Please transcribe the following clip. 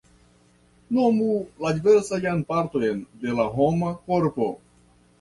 Nomu la diversajn partojn de la homa korpo.